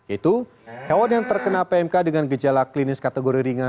itu hewan yang terkena pmk dengan gejala klinis kategori ringan